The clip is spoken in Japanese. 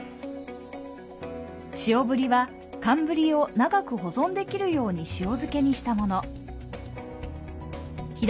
塩ブリは寒ブリを長く保存できるように塩づけにしたもの。